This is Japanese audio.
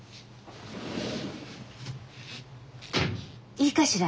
いいかしら？